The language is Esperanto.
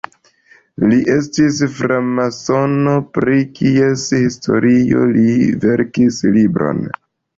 Li estis framasono, pri kies historio li verkis libron.